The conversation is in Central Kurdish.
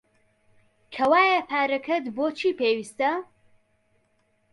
کەوایە پارەکەت بۆ چی پێویستە؟